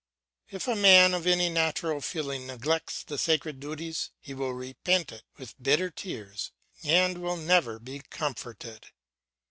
If a man of any natural feeling neglects these sacred duties he will repent it with bitter tears and will never be comforted.